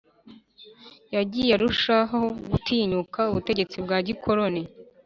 Yagiye arushaho gutinyuka ubutegetsi bwa gikoloni